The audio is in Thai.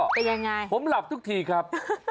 แต่ยังไงผมหลับทุกทีครับ